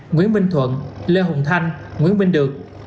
nguyễn minh thuận lê hùng thanh nguyễn minh được